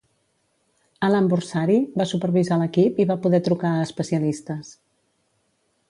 Alan Borsari va supervisar l'equip i va poder trucar a especialistes.